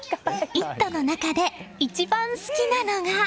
「イット！」の中で一番好きなのが。